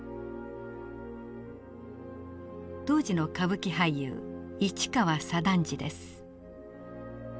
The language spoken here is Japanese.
当時の歌舞伎俳優市川左団次です。